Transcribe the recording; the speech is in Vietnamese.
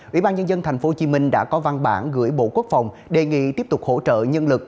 ủy ban nhân dân tp hcm đã có văn bản gửi bộ quốc phòng đề nghị tiếp tục hỗ trợ nhân lực